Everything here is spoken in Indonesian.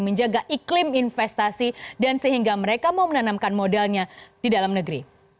menjaga iklim investasi dan sehingga mereka mau menanamkan modalnya di dalam negeri